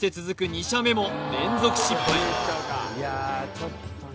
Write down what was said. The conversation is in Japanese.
２射目も連続失敗